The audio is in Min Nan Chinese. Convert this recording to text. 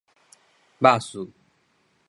巴士